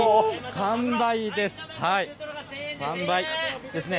完売ですね。